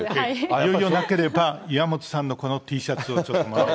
いよいよなければ、岩本さんのこのＴシャツをちょっと。